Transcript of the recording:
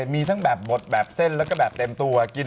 มีทั้งแบบบดแบบเส้นแล้วก็แบบเต็มตัวกิน